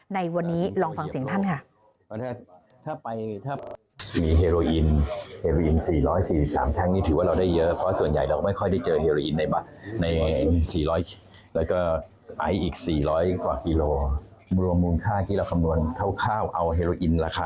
ในวันนี้ลองฟังเสียงท่านค่ะ